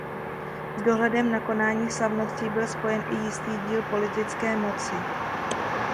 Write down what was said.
S dohledem na konání slavností byl spojen i jistý díl politické moci.